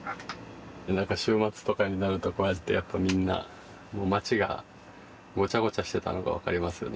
週末とかになるとこうやってやっぱみんなもう町がごちゃごちゃしてたのが分かりますよね